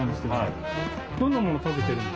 どんなもの食べてるんですか？